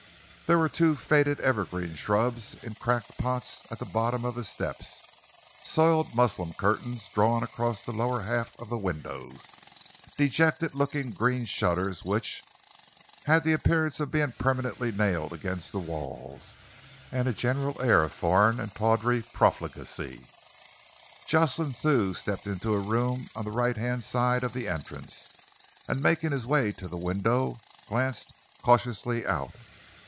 There were two faded evergreen shrubs in cracked pots at the bottom of the steps, soiled muslin curtains drawn across the lower half of the windows, dejected looking green shutters which, had the appearance of being permanently nailed against the walls, and a general air of foreign and tawdry profligacy. Jocelyn Thew stepped into a room on the right hand side of the entrance and, making his way to the window, glanced cautiously out.